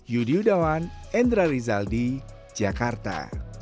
yudi yudawan endra rizaldi jakarta